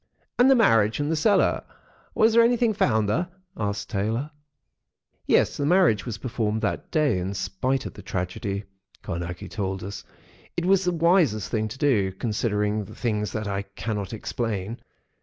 "And the marriage? And the cellar—was there anything found there?" asked Taylor. "Yes, the marriage was performed that day, in spite of the tragedy," Carnacki told us. "It was the wisest thing to do—considering the things that I cannot explain.